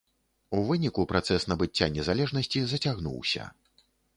У выніку працэс набыцця незалежнасці зацягнуўся.